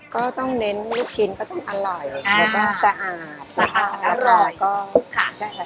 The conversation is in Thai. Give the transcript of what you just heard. ก็ต้องเน้นลูกชิ้นก็ต้องอร่อยก็สะอาด